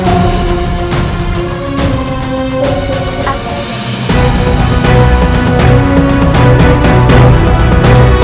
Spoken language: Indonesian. untuk memperbaiki kekuatan pajajara gusti prabu